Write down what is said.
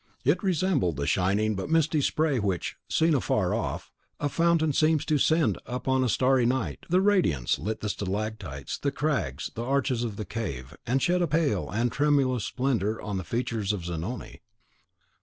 It resembled the shining but misty spray which, seen afar off, a fountain seems to send up on a starry night. The radiance lit the stalactites, the crags, the arches of the cave, and shed a pale and tremulous splendour on the features of Zanoni.